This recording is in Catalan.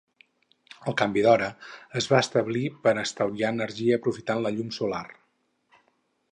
El canvi d'hora es va establir per a estalviar energia aprofitant la llum solar.